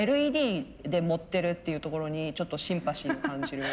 ＬＥＤで盛ってるっていうところにちょっとシンパシーを感じる。